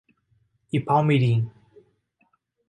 Ipaumirim